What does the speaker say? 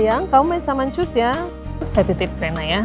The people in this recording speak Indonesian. aku juga mengertinya